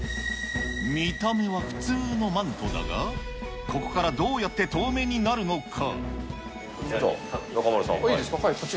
見た目は普通のマントだが、ここからどうやって透明になるのか。